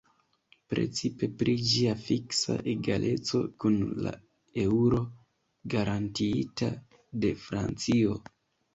Precipe pri ĝia fiksa egaleco kun la eŭro garantiita de Francio.